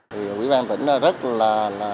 thì quỹ ban vĩnh rất là